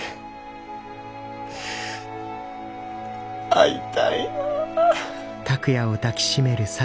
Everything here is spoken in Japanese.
会いたいなあ。